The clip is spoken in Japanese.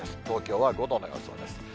東京は５度の予想です。